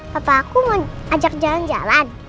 papa aku mau ajak jalan jalan